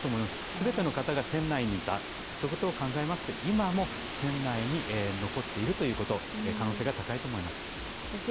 全ての方が船内にいたということを考えますと今の船内に残っているということ、可能性が高いと思います。